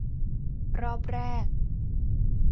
รอบแรก